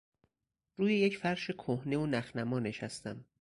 روی یک فرش کهنه و نخنما نشستم.